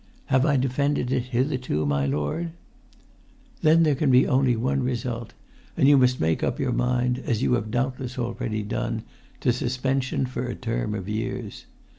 "Have I defended it hitherto, my lord?" "Then there can only be one result; and you must make up your mind, as you have doubtless already done, to suspension for a term of years.